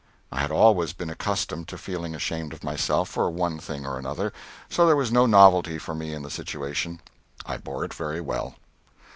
I had always been accustomed to feeling ashamed of myself, for one thing or another, so there was no novelty for me in the situation. I bore it very well.